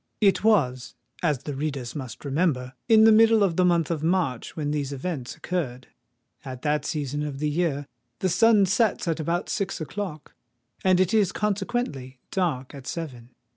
It was, as the readers must remember, in the middle of the month of March when these events occurred. At that season of the year the sun sets at about six o'clock; and it is consequently dark at seven.